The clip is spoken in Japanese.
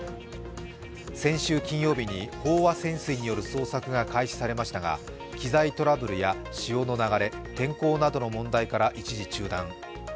先週金曜日に飽和潜水による捜索が開始されましたが機材トラブルや潮の流れ、健康などの問題から一時中断。